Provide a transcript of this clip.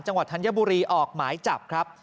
จังหวัดธัญบุรีออกหมายจับครับ